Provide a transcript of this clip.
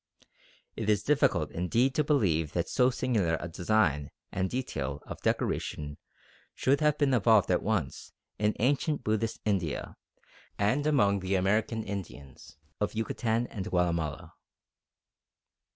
It is difficult indeed to believe that so singular a design and detail of decoration should have been evolved at once in ancient Buddhist India and among the American Indians of Yucatan and Guatemala.